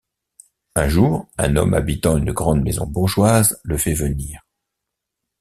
Un jour, un homme habitant une grande maison bourgeoise le fait venir...